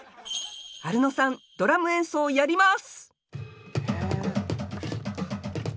アルノさんドラム演奏やります！